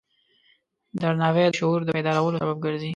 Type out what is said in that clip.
درناوی د شعور د بیدارولو سبب ګرځي.